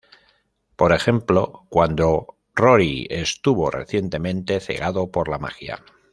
Por ejemplo, cuando Rory estuvo recientemente cegado por la magia.